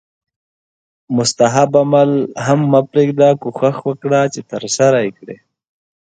مستحب عمل هم مه پریږده کوښښ وکړه چې ترسره یې کړې